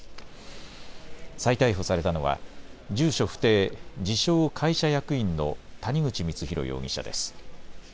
再逮捕されたのは住所不定、自称・会社役員の谷口光弘容疑者です。